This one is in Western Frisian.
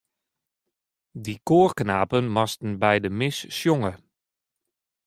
Dy koarknapen moasten by de mis sjonge.